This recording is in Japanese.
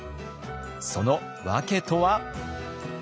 その訳とは？